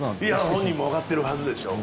本人もわかってるはずでしょう。